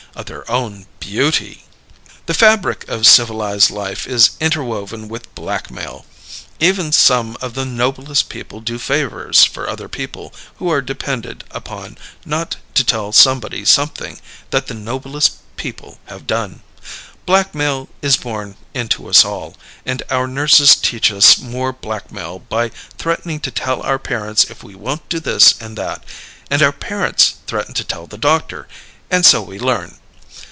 of their own beauty. The fabric of civilized life is interwoven with blackmail: even some of the noblest people do favours for other people who are depended upon not to tell somebody something that the noblest people have done. Blackmail is born into us all, and our nurses teach us more blackmail by threatening to tell our parents if we won't do this and that and our parents threaten to tell the doctor and so we learn!